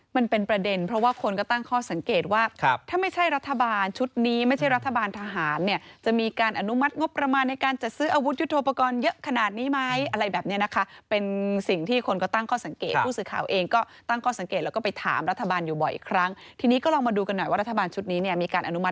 มันเป็นประเด็นเพราะว่าคนก็ตั้งข้อสังเกตว่าถ้าไม่ใช่รัฐบาลชุดนี้ไม่ใช่รัฐบาลทหารเนี่ยจะมีการอนุมัติงบประมาณในการจัดซื้ออาวุธยุทธโปรกรณ์เยอะขนาดนี้ไหมอะไรแบบนี้นะคะเป็นสิ่งที่คนก็ตั้งข้อสังเกตผู้สื่อข่าวเองก็ตั้งข้อสังเกตแล้วก็ไปถามรัฐบาลอยู่บ่อยครั้งทีนี้ก็ลองมาดูกันหน่อยว่ารัฐบาลชุดนี้เนี่ยมีการอนุมั